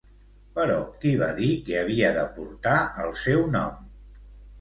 Però, qui va dir que havia de portar el seu nom?